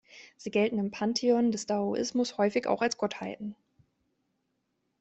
Sie gelten im Pantheon des Daoismus häufig auch als Gottheiten.